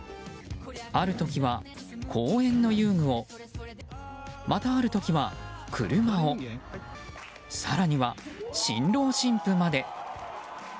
ある時は、公園の遊具をまたある時は車を更には新郎・新婦まで。